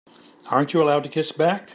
Aren't you allowed to kiss back?